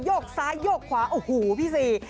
กซ้ายโยกขวาโอ้โหพี่ซี